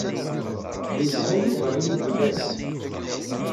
Yezha Yuba imi yella da.